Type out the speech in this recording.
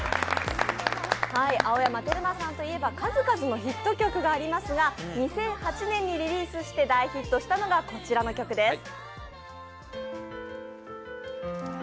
青山テルマさんといえば数々のヒット曲がありますが、２００８年にリリースして大ヒットしたのがこちらの曲です。